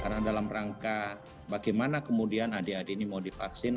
karena dalam rangka bagaimana kemudian adik adik ini mau divaksin